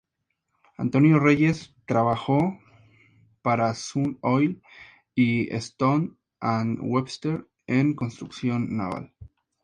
Antonio Reyes trabajó para Sun Oil y Stone and Webster en construcción naval.